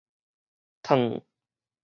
褪